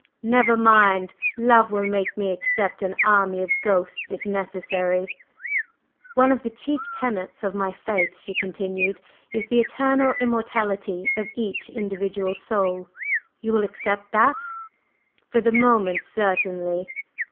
"Never mind! Love will make me accept an army of ghosts, if necessary." "One of the chief tenets of my faith," she continued, "is the eternal immortality of each individual Soul. Will you accept that?" "For the moment, certainly!"